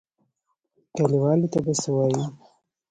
کليوالو ته به څه وايو.